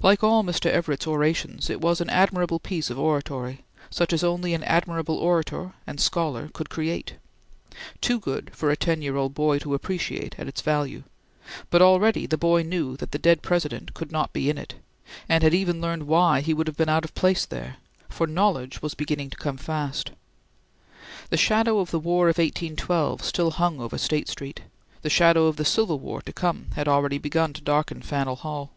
Like all Mr. Everett's orations, it was an admirable piece of oratory, such as only an admirable orator and scholar could create; too good for a ten year old boy to appreciate at its value; but already the boy knew that the dead President could not be in it, and had even learned why he would have been out of place there; for knowledge was beginning to come fast. The shadow of the War of 1812 still hung over State Street; the shadow of the Civil War to come had already begun to darken Faneuil Hall.